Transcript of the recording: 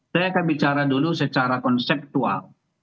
saya akan bicara dulu secara konseptual